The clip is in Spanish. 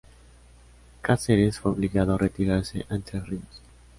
Cáceres fue obligado a retirarse a Entre Ríos.